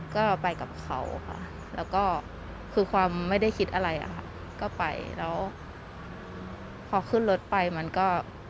ก็ไปกับเขาค่ะแล้วก็คือความไม่ได้คิดอะไรอะค่ะก็ไปแล้วพอขึ้นรถไปมันก็